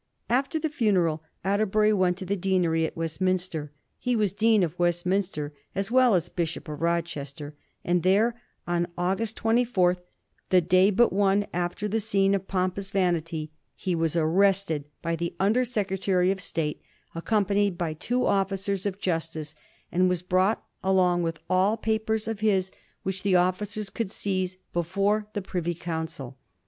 After the ftmeral, Atterbury went to the Deanery at Westminster — ^he was Dean of Westminster as weU as Bishop of Rochester — and there, on August 24, the day but one after the scene of pompous vanity, he was Digiti 3itized by Google 1722 ATTERBURY'S ARREST, 279 arrested by the Under Secretary of State, accom panied by two officers of justice, and was brought, along with all papers of his which the officers could seize, before the Privy Council.